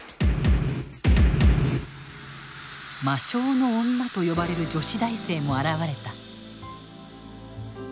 魔性の女と呼ばれる女子大生も現れた。